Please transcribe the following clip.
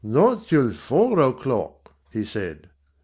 "Not till four o'clock," he said.